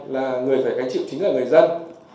là người phải cái chịu chính là người dân